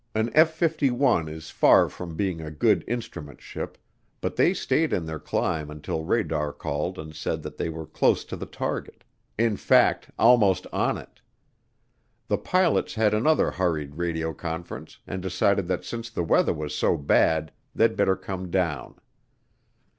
An F 51 is far from being a good instrument ship, but they stayed in their climb until radar called and said that they were close to the target; in fact, almost on it. The pilots had another hurried radio conference and decided that since the weather was so bad they'd better come down.